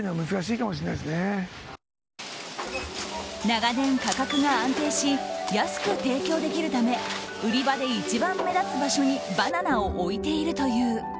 長年、価格が安定し安く提供できるため売り場で一番目立つ場所にバナナを置いているという。